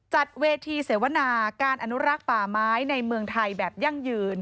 จัดเวทีเสวนาการอนุรักษ์ป่าไม้ในเมืองไทยแบบยั่งยืน